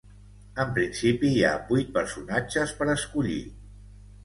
En principi, hi ha vuit personatges per escollir.